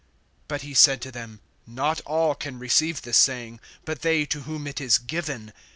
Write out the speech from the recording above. (11)But he said to them: Not all can receive this saying, but they to whom it is given.